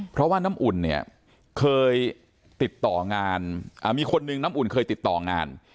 เพราะว่าน้ำอุ่นเนี่ยเคยติดต่องานมีคนนึงน้ำอุ่นเคยติดต่องาน